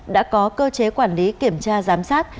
đã có cơ chế quản lý kiểm tra giám sát